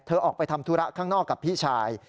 ออกไปทำธุระข้างนอกกับพี่ชาย